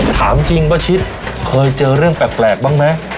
ถามจริงป้าชิดเคยเจอเรื่องแปลกบ้างไหม